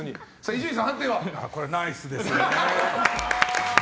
これ、ナイスですね。